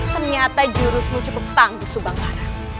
ternyata jurusmu cukup tangguh subang kara